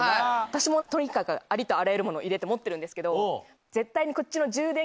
私もとにかくありとあらゆるものを入れて持ってるんですけど絶対に。